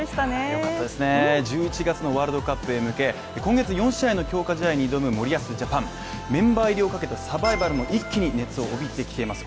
よかったですね１１月のワールドカップへ向け今月４試合の強化試合に挑む森保ジャパンメンバー入りを懸けたサバイバルも一気に熱を帯びてきています